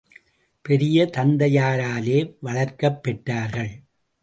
பெரிய தந்தையாராலே வளர்க்கப் பெற்றார்கள்.